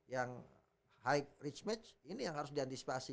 yang high reach match ini yang harus diantisipasi